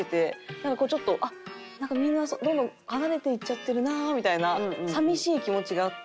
なんかこうちょっとみんなどんどん離れていっちゃってるなみたいな寂しい気持ちがあって。